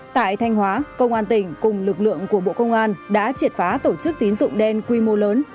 tại thanh hóa công an tỉnh cùng lực lượng của bộ công an đã triệt phá tổ chức tín dụng đen quy mô lớn